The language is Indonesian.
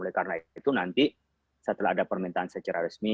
oleh karena itu nanti setelah ada permintaan secara resmi